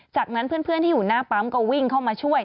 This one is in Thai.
จากนั้นเพื่อนที่อยู่หน้าปั๊มก็วิ่งเข้ามาช่วย